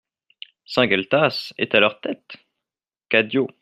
Saint-Gueltas est à leur tête ? CADIO.